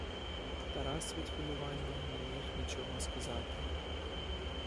Тарас від хвилювання не міг нічого сказати.